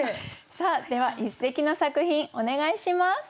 さあでは一席の作品お願いします。